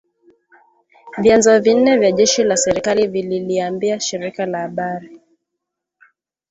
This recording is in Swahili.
vyanzo vinne vya jeshi la serikali vililiambia shirika la habari